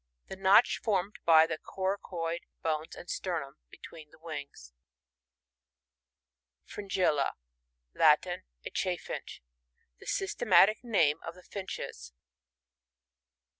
Tha notch formed by the coracoid bones and sternum, between the wings. Fringilla — Latin. AChufHnch. The systematic name of the Finches.